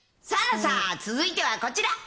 さあさあ続いては、こちら。